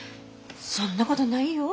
そんなことないよ。